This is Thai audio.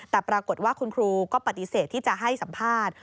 แต่ปรากฏว่าคุณครูก็ปฏิเสธที่จะให้สัมภาษณ์